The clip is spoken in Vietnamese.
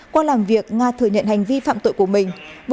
qua làm việc nga thừa nhận hành vi phạm tội của mình